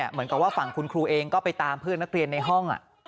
เหมือนกับว่าฝั่งคุณครูเองก็ไปตามเพื่อนนักเรียนในห้อง